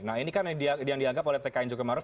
nah ini kan yang dianggap oleh tkn jogja ma'ruf